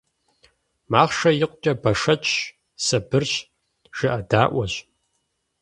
Махъшэр икъукӀэ бэшэчщ, сабырщ, жыӀэдаӀуэщ.